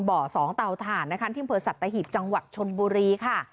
เบาะสองเตาถ่านนะคะที่เมืองสัตว์ตะหิบจังหวัดชนบุรีค่ะ